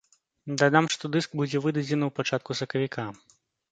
Дадам, што дыск будзе выдадзены ў пачатку сакавіка.